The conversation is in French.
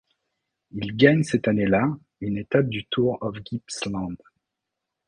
Il gagne cette année-là une étape du Tour of Gippsland.